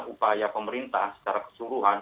upaya pemerintah secara keseluruhan